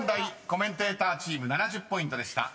コメンテーターチーム７０ポイントでした］